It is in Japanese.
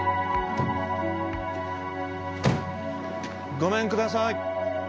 ごめんください。